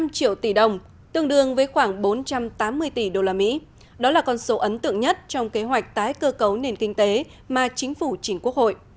năm triệu tỷ đồng tương đương với khoảng bốn trăm tám mươi tỷ usd đó là con số ấn tượng nhất trong kế hoạch tái cơ cấu nền kinh tế mà chính phủ chính quốc hội